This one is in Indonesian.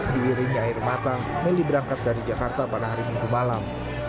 diiringi air matang meli berangkat dari jakarta pada hari minggu malam